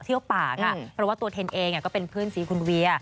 เพราะว่าตัวเท้นท์เองก็เป็นเพื่อนศรีคุณเวีย